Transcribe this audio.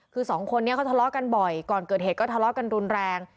คือสองคนนี้เขาทะเลาะกันบ่อยก่อนเกิดเหตุก็ทะเลาะกันรุนแรง